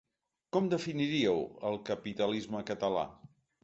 Com definiríeu el capitalisme català?